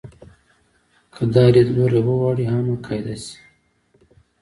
که دا لیدلوری وغواړي عامه قاعده شي.